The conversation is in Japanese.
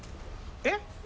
えっ？